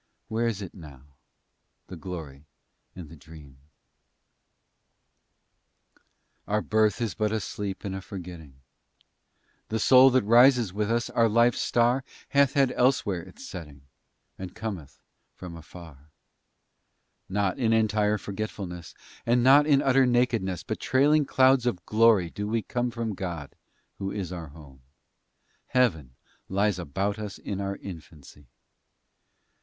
Where is it now, the glory and the dream? Our birth is but a sleep and a forgetting: The Soul that rises with us, our life's Star, Hath had elsewhere it's setting, And cometh from afar: Not in entire forgetfulness, And not in utter nakedness, But trailing clouds of glory do we come From God, who is our home: Heaven lies about us in our infancy!